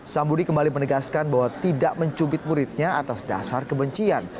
sambudi kembali menegaskan bahwa tidak mencubit muridnya atas dasar kebencian